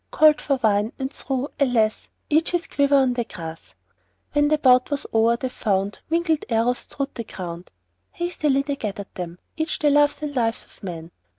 Called for wine, and threw — alas! — Each his quiver on the grass. When the bout was o'er they found Mingled arrows strewed the ground. Hastily they gathered then Each the loves and lives of men.